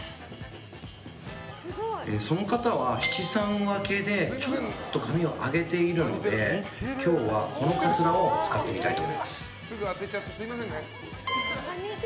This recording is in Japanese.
その方は七三分けでちょっと髪を上げているので今日は、このかつらを使ってみたいと思います。